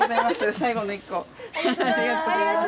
最後の１個。